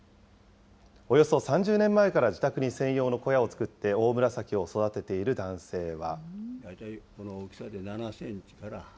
およそ３０年前から自宅に専用の小屋を作ってオオムラサキを育てている男性は。